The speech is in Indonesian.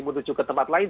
menuju ke tempat lain